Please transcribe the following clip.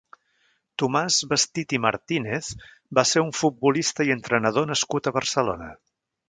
Tomàs Bestit i Martínez va ser un futbolista i entrenador nascut a Barcelona.